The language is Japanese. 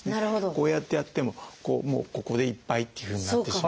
こうやってやってももうここでいっぱいっていうふうになってしまう。